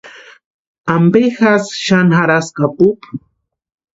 ¿Ampe jasï xani jarhaski apupu?